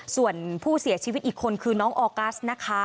ส่วนผู้เสียชีวิตอีกคนคือน้องออกัสนะคะ